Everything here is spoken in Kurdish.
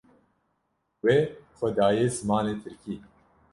We xwe daye zimanê Tirkî